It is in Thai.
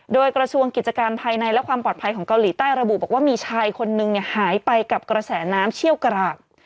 โดยกระทรวงกิจการภายในและความปลอดภัยของเกาหลีใต้ระบุบอกว่ามีชายคนนึงหายไปกับกระแสน้ำเชี่ยวกราก